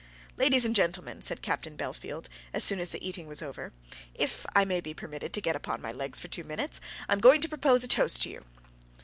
"Ladies and gentlemen," said Captain Bellfield, as soon as the eating was over, "if I may be permitted to get upon my legs for two minutes, I am going to propose a toast to you."